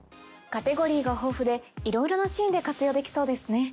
カテゴリーが豊富でいろいろなシーンで活用できそうですね。